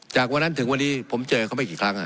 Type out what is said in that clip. จากวันนั้นถึงวันนี้ผมเจอเขาไม่กี่ครั้ง